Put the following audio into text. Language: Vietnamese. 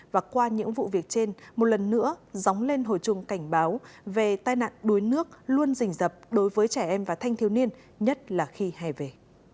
và qua những vụ việc trên một lần nữa dóng lên hồi chung cảnh báo về tai nạn đuối nước luôn rình rập đối với trẻ em và thanh thiếu niên nhất là khi hè về